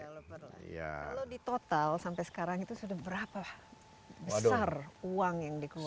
kalau di total sampai sekarang itu sudah berapa besar uang yang dikeluarkan